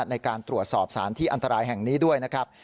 ในการตรวจสอบสารที่อันตรายแห่งนี้ด้วยนะครับ